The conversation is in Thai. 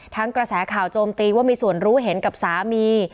กระแสข่าวโจมตีว่ามีส่วนรู้เห็นกับสามี